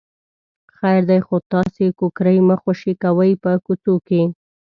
خیر دی خو تاسې کوکری مه خوشې کوئ په کوڅو کې.